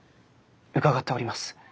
伺っております。